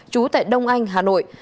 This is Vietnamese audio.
chú tại đông anh hà nội